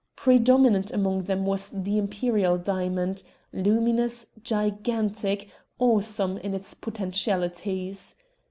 Predominant among them was the Imperial diamond, luminous, gigantic, awesome in its potentialities.